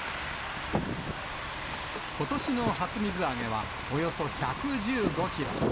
ことしの初水揚げは、およそ１１５キロ。